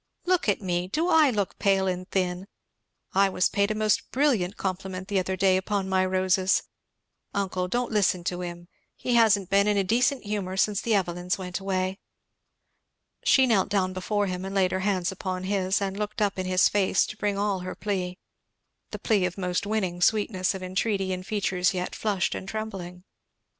Look at me! do I look pale and thin? I was paid a most brilliant compliment the other day upon my roses Uncle, don't listen to him! he hasn't been in a decent humour since the Evelyns went away." She knelt down before him and laid her hands upon his and looked up in his face to bring all her plea; the plea of most winning sweetness of entreaty in features yet flushed and trembling.